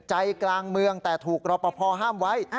ใจกลางเมืองแต่ถูกรอปภห้ามไว้